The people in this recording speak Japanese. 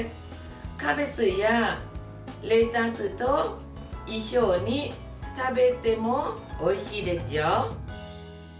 キャベツやレタスと一緒に食べてもおいしいですよ。